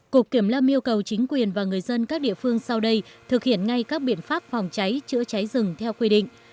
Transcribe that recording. cục kiểm lâm yêu cầu chính quyền và người dân các địa phương sau đây thực hiện ngay các biện pháp phòng cháy chữa cháy rừng theo quy định